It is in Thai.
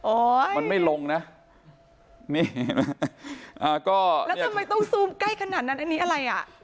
อ๋อมันไม่ลงนะนี่เห็นไหมอ่าก็แล้วทำไมต้องซูมใกล้ขนาดนั้นอันนี้อะไรอ่ะ